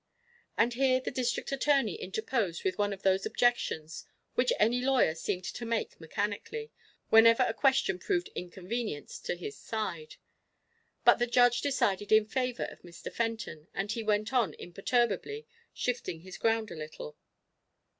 And here the District Attorney interposed with one of those objections which each lawyer seemed to make mechanically, whenever a question proved inconvenient to his side; but the Judge decided in favor of Mr. Fenton, and he went on imperturbably, shifting his ground a little.